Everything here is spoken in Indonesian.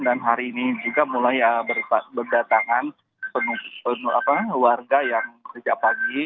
dan hari ini juga mulai berdatangan warga yang sejak pagi